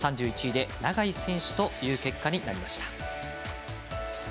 ３１位で永井選手という結果になりました。